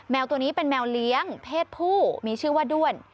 ตัวนี้เป็นแมวเลี้ยงเพศผู้มีชื่อว่าด้วน